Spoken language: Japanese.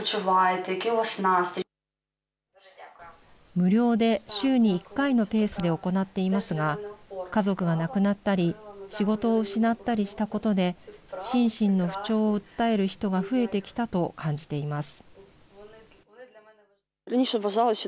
無料で週に１回のペースで行っていますが、家族が亡くなったり、仕事を失ったりしたことで、心身の不調を訴える人が増えてきたと感じています。